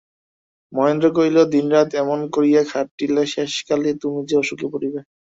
মহেন্দ্র কহিল, দিনরাত এমন করিয়া খাটিলে শেষকালে তুমিই যে অসুখে পড়িবে।